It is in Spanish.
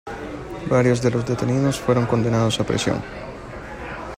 Varios de los detenidos fueron condenados a prisión.